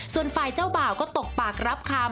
ส่วนฝ่ายเจ้าบ่าวก็ตกปากรับคำ